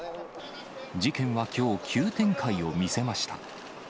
事件はきょう、急展開を見せました。